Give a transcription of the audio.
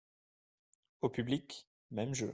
Au public, même jeu.